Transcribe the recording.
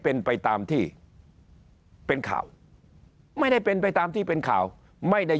เป็นไปตามที่เป็นข่าวไม่ได้เป็นไปตามที่เป็นข่าวไม่ได้